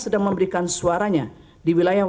sedang memberikan suaranya di wilayah